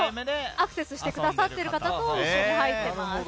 アクセスしている方と一緒に入っています。